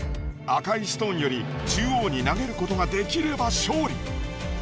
赤いストーンより中央に投げることができれば勝利。